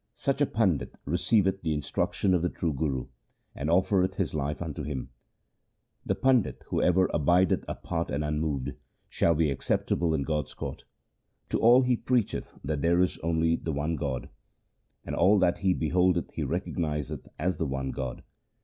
Such a pandit receiveth the instruction of the true Guru, And offereth his life unto him. The pandit who ever abideth apart and unmoved, Shall be acceptable in God's court. To all he preacheth that there is only the one God. All that he beholdeth he recognizeth as the one God.